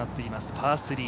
パー３。